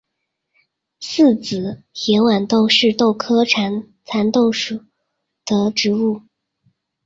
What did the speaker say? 四籽野豌豆是豆科蚕豆属的植物。